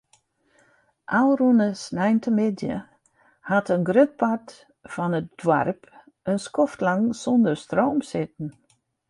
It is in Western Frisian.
Ofrûne sneontemiddei hat in grut part fan it doarp in skoftlang sûnder stroom sitten.